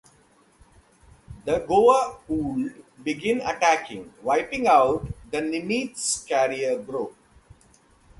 The Goa'uld begin attacking, wiping out the "Nimitz" carrier group.